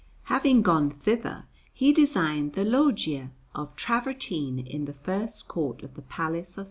Having gone thither, he designed the loggie of travertine in the first court of the Palace of S.